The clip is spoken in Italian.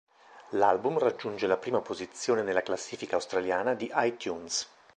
L'album raggiunge la prima posizione nella classifica australiana di iTunes.